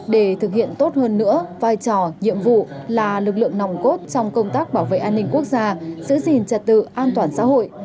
để thực hiện tốt hơn nữa vai trò nhiệm vụ là lực lượng nòng cốt trong công tác bảo vệ an ninh quốc gia giữ gìn trật tự an toàn xã hội